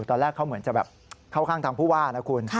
ตอนแรกเขาเหมือนจะแบบเข้าข้างทางผู้ว่านะคุณ